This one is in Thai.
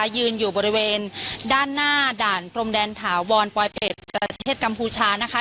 ยืนอยู่บริเวณด้านหน้าด่านพรมแดนถาวรปลอยเป็ดประเทศกัมพูชานะคะ